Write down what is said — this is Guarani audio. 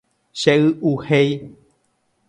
Chey'uhéi.